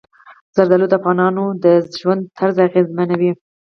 زردالو د افغانانو د ژوند طرز اغېزمنوي.